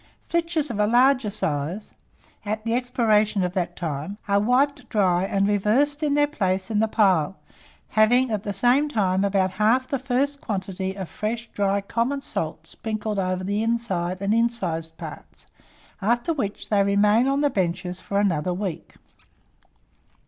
Flitches of a larger size, at the expiration of that time, are wiped dry and reversed in their place in the pile, having, at the same time, about half the first quantity of fresh, dry, common salt sprinkled over the inside and incised parts; after which they remain on the benches for another week.